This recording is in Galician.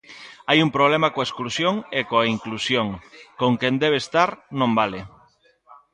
Hai un problema coa exclusión e coa inclusión, con quen debe estar, non vale.